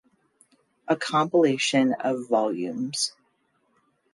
A compilation of vols.